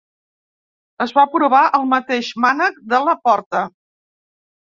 Es va provar el mateix mànec de la porta.